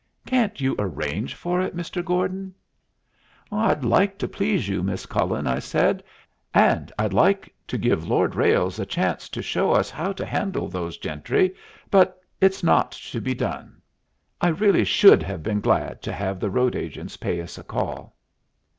Can't you arrange for it, Mr. Gordon?" "I'd like to please you, Miss Cullen," I said, "and I'd like to give Lord Ralles a chance to show us how to handle those gentry; but it's not to be done." I really should have been glad to have the road agents pay us a call.